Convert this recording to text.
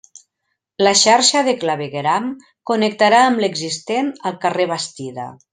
La xarxa de clavegueram connectarà amb l'existent al carrer Bastida.